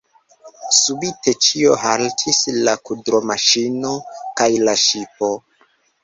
Subite ĉio haltis: la kudromaŝino kaj la ŝipo.